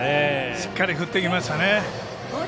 しっかり振ってきましたね。